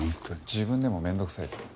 自分でも面倒くさいですよ。